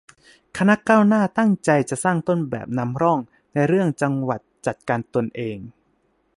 คณะก้าวหน้า ตั้งใจจะสร้างต้นแบบ นำร่อง ในเรื่อง จังหวัดจัดการตนเอง